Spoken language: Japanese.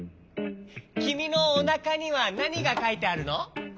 きみのおなかにはなにがかいてあるの？